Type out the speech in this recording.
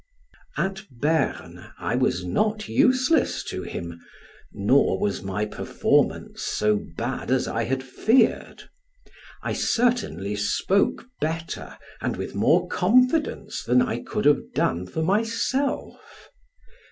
At Berne, I was not useless to him, nor was my performance so bad as I had feared: I certainly spoke better and with more confidence than I could have done for myself.